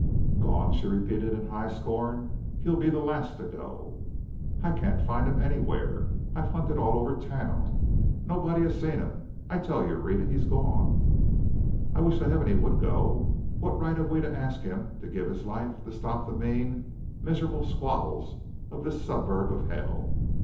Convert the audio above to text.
"Gone!" she repeated in high scorn. "He'll be the last to go." "I can't find him anywhere I've hunted all over town. Nobody has seen him. I tell you, Rhetta, he's gone." "I wish to heaven he would go! What right have we got to ask him to give his life to stop the mean, miserable squabbles of this suburb of hell!"